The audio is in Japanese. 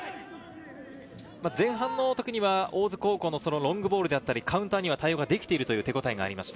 前半の時には大津高校のロングボールだったりカウンターには対応ができているという手応えがありました。